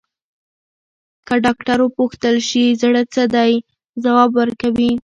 که ډاکټر وپوښتل شي، زړه څه دی، ځواب ورکوي.